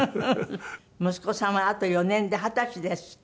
息子さんはあと４年で二十歳ですって。